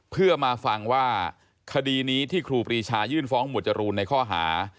เพื่อมาฟังว่าคดีนี้ที่ครูปรีชายื่นฟ้องหมวดจรูนในข้อหา